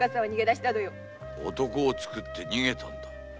男を作って逃げたんだ。